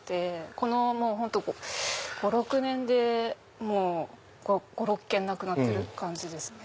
この本当５６年で５６軒なくなってる感じです。